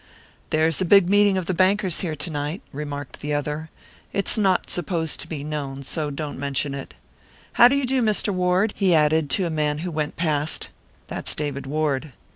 "There's a big meeting of the bankers here to night," remarked the other. "It's not supposed to be known, so don't mention it. How do you do, Mr. Ward?" he added, to a man who went past. "That's David Ward."